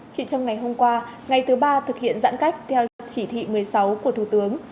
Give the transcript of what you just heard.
chỉ trong ngày hôm qua ngày thứ ba thực hiện giãn cách theo chỉ thị một mươi sáu của thủ tướng